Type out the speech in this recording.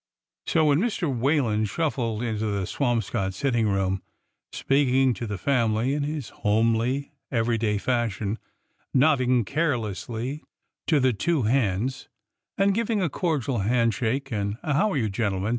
" So when Mr. Whalen shuffled into the Swamscott sit ting room, speaking to the family in his homely every day fashion, nodding carelessly to the two hands, and giving a cordial handshake and a " How are you, gentlemen